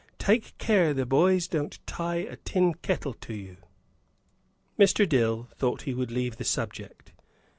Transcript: Take care the boys don't tie a tin kettle to you!" Mr. Dill thought he would leave the subject.